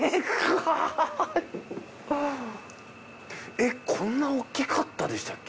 えっこんな大きかったでしたっけ。